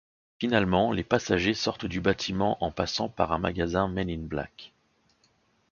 Finalement, les passagers sortent du bâtiment en passant par un magasin Men in Black.